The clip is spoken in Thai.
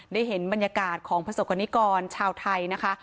ได้เห็นบรรยากาศของประสบกรณิกรชาวไทยนะคะ